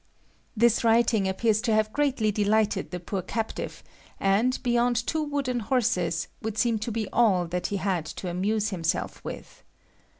This writing appears to have greatly delighted the poor captive and, beyond two wooden horses, would seem to be all that he had to amuse himself with.